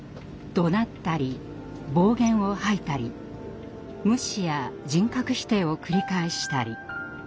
怒鳴ったり暴言を吐いたり無視や人格否定を繰り返したり。